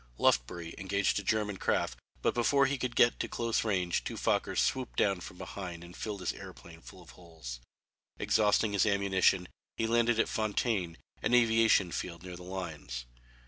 Lufbery engaged a German craft but before he could get to close range two Fokkers swooped down from behind and filled his aeroplane full of holes. Exhausting his ammunition he landed at Fontaine, an aviation field near the lines.